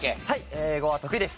英語は得意です。